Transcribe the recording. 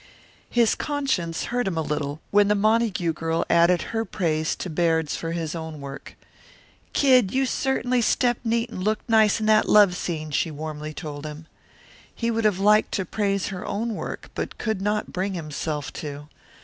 His conscience hurt him a little when the Montague girl added her praise to Baird's for his own work. "Kid, you certainly stepped neat and looked nice in that love scene," she warmly told him. He would have liked to praise her own work, but could not bring himself to.